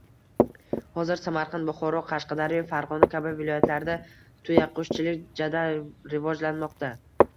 Hozir Samarqand, Buxoro, Qashqadaryo, Farg‘ona kabi viloyatlarda tuyaqushchilik jadal rivojlanmoqda.